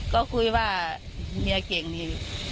ก็คุยว่าเมียเก่งนี่